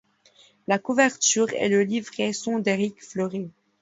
La couverture et le livret sont d'Éric Fleury.